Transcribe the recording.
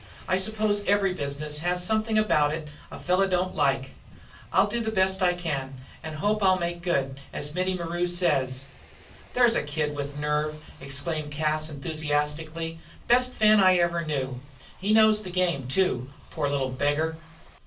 I suppose every business has something about it a fellow don't like. I'll do the best I can, and hope I'll make good, as Mittie Maru says." "There's a kid with nerve!" exclaimed Cas, enthusiastically. "Best fan I ever knew. He knows the game, too. Poor little beggar!"